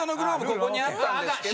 ここにあったんですけど。